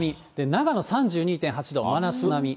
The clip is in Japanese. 長野３２．８度、真夏並み。